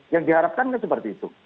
yang diharapkan kan seperti itu